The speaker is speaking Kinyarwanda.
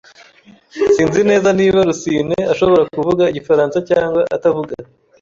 Sinzi neza niba Rusine ashobora kuvuga Igifaransa cyangwa atavuga.